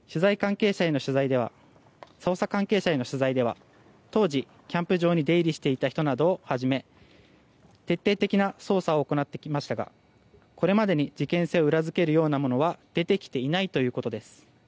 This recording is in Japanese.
捜査関係者への取材では当時、キャンプ場に出入りしていた人をはじめ徹底的な捜査を行ってきましたがこれまでに事件性を裏付けるようなものは出てきていないということです。